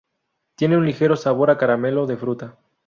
Tiene un ligero sabor a caramelo de fruta.